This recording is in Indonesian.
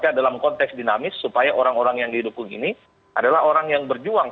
karena dalam konteks dinamis supaya orang orang yang didukung ini adalah orang yang berjuang